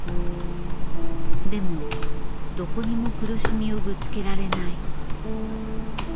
でもどこにも苦しみをぶつけられない。